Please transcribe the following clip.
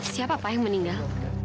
siapa pak yang meninggal